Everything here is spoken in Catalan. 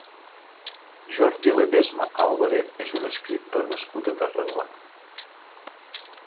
Jordi Ledesma Álvarez és un escriptor nascut a Tarragona.